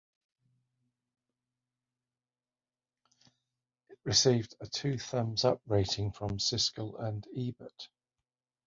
It received a "two thumbs up" rating from Siskel and Ebert.